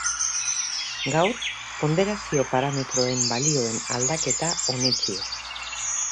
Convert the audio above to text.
Gaur ponderazio parametroen balioen aldaketa onetsi da.